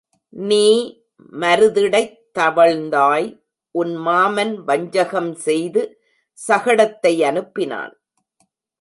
நீ மருதிடைத் தவழ்ந்தாய் உன் மாமன் வஞ்சகம் செய்து சகடத்தை அனுப்பினான்.